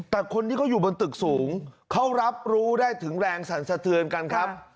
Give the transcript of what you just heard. แต่คนนี้ก็อยู่บนตึกสูงเขารับรู้ได้ถึงแรงสรรเสริญกันครับ